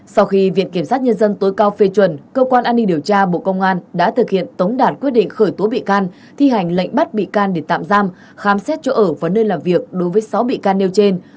sau khi viện kiểm sát nhân dân tối cao phê chuẩn cơ quan an ninh điều tra bộ công an đã thực hiện tống đạt quyết định khởi tố bị can thi hành lệnh bắt bị can để tạm giam khám xét chỗ ở và nơi làm việc đối với sáu bị can nêu trên